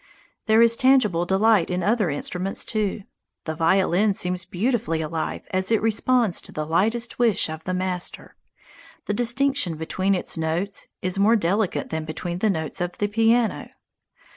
There is tangible delight in other instruments, too. The violin seems beautifully alive as it responds to the lightest wish of the master. The distinction between its notes is more delicate than between the notes of the piano.